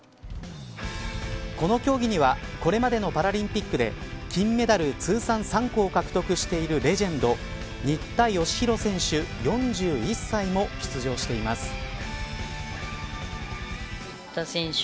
この競技にはこれまでのパラリンピックで金メダル通算３個を獲得しているレジェンド新田佳浩選手、４１歳も出場しています。